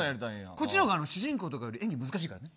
こっちの方が主人公とかより演技が難しいからね。